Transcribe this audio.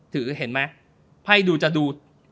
เห็นไหมไพ่ดูจะดู